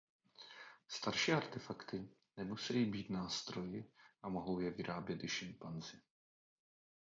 Starší artefakty nemusejí být nástroji a mohou je vyrábět i šimpanzi.